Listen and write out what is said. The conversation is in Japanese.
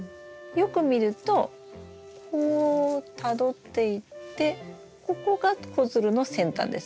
よく見るとこうたどっていってここが子づるの先端です。